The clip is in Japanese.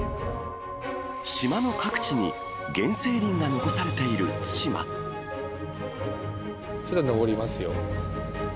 島の各地に原生林が残されてちょっと上りますよ。